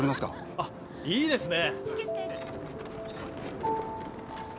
あっいいですね！